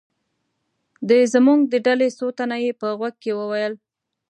د زموږ د ډلې څو تنه یې په غوږ کې و ویل.